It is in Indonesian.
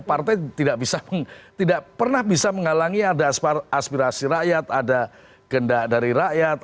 partai tidak pernah bisa menghalangi ada aspirasi rakyat ada gendak dari rakyat